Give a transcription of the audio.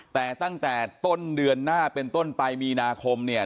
แต่ตั้งแต่ต้นเดือนหน้าเป็นต้นไปมีนาคมเนี่ย